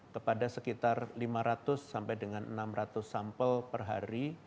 kepada sekitar lima ratus sampai dengan enam ratus sampel per hari